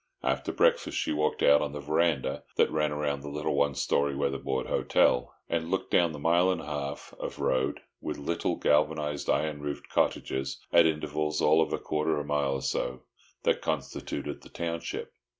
After breakfast she walked out on the verandah that ran round the little one story weatherboard hotel, and looked down the mile and a half of road, with little galvanised iron roofed cottages at intervals of a quarter of a mile or so, that constituted the township.